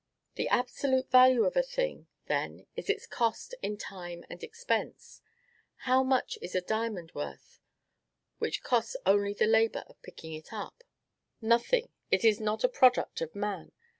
The absolute value of a thing, then, is its cost in time and expense. How much is a diamond worth which costs only the labor of picking it up? Nothing; it is not a product of man.